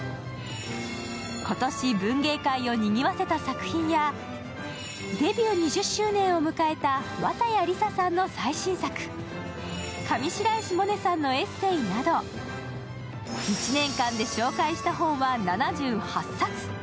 今年、文芸界をにぎわせた作品やデビュー２０周年を迎えた綿矢りささんの最新作、上白石萌音さんのエッセーなど１年間で紹介した本は７８冊。